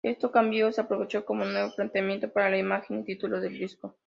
Este cambio se aprovechó como nuevo planteamiento para la imagen y título del disco.